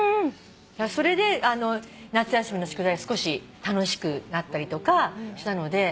それで夏休みの宿題少し楽しくなったりしたので。